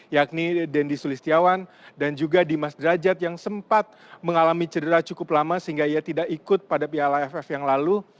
yakni dendi sulistiawan dan juga dimas derajat yang sempat mengalami cedera cukup lama sehingga ia tidak ikut pada piala aff yang lalu